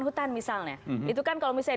hutan misalnya itu kan kalau misalnya